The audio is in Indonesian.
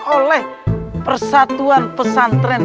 oleh persatuan pesantren